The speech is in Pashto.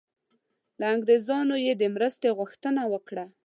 له انګریزانو یې د مرستې غوښتنه وکړه.